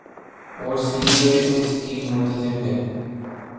اورسی D A اس کی منتظم ہے۔